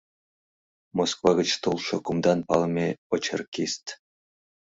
Москва гыч толшо кумдан палыме очеркист...